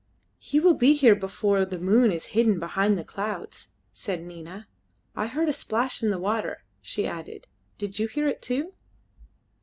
"He will be here before the moon is hidden behind the clouds," said Nina. "I heard a splash in the water," she added. "Did you hear it too?"